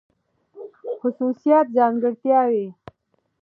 خصوصيات √ ځانګړتياوې